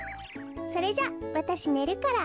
それじゃわたしねるから。